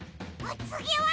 おつぎは？